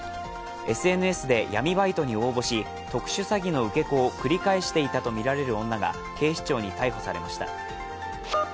ＳＮＳで闇バイトに応募し特殊詐欺の受け子を繰り返していたとみられる女が警視庁に逮捕されました。